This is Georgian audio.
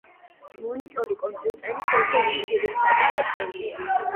მონიტორი კომპიუტერის ერთ-ერთი ძირითადი ნაწილია.